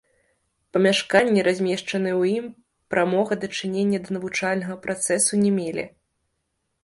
Памяшканні, размешчаныя ў ім, прамога дачынення да навучальнага працэсу не мелі.